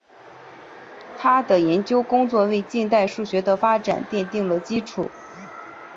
他的研究工作为近代数学的发展奠定了基础。